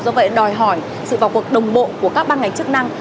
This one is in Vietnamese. do vậy đòi hỏi sự vào cuộc đồng bộ của các ban ngành chức năng